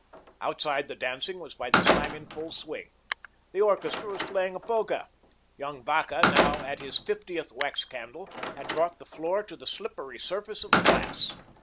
Outside the dancing was by this time in full swing. The orchestra was playing a polka. Young Vacca, now at his fiftieth wax candle, had brought the floor to the slippery surface of glass.